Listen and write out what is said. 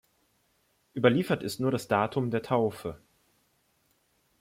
Überliefert ist nur das Datum der Taufe.